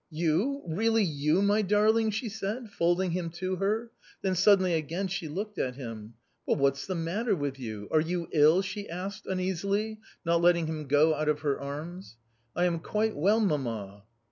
" You, really you, my darling ?" she said, folding him to her. Then suddenly again she looked at him. "But what's the matter with you? Are you ill?" she asked uneasily, not letting him go out of her arms. " I am quite well, mamma."